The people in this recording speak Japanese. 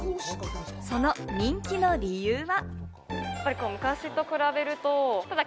その人気の理由は。